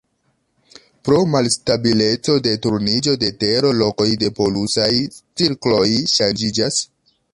Pro malstabileco de turniĝo de Tero lokoj de polusaj cirkloj ŝanĝiĝas.